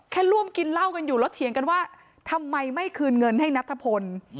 ร่วมกินเหล้ากันอยู่แล้วเถียงกันว่าทำไมไม่คืนเงินให้นัทพล